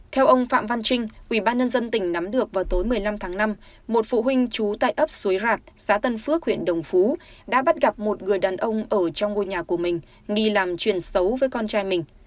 theo ông phạm văn trinh ủy ban nhân dân tỉnh nắm được vào tối một mươi năm tháng năm một phụ huynh trú tại ấp suối rạt xã tân phước huyện đồng phú đã bắt gặp một người đàn ông ở trong ngôi nhà của mình nghi làm chuyện xấu với con trai mình